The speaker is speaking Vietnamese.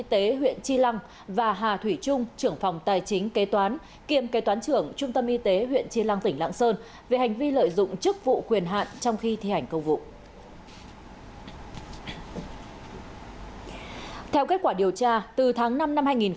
theo kết quả điều tra từ tháng năm năm hai nghìn hai mươi một đến tháng bốn năm hai nghìn hai mươi hai